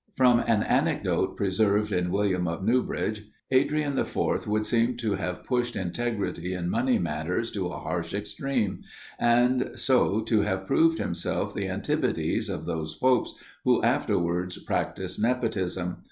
From an anecdote preserved in William of Newbridge, Adrian IV. would seem to have pushed integrity in money matters to a harsh extreme; and so to have proved himself the antipodes of those popes who afterwards practised nepotism.